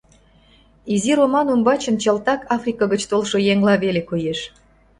Изи Роман умбачын чылтак Африка гыч толшо еҥла веле коеш.